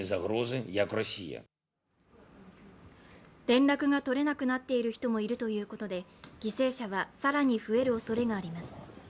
連絡が取れなくなっている人もいるということで犠牲者は更に増えるおそれがあります。